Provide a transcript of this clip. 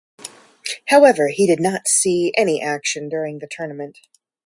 However he did not see any action during the tournament.